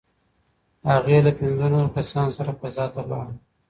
هغې له پنځو نورو کسانو سره فضا ته ولاړه.